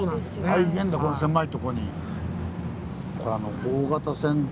大変だこの狭いとこに。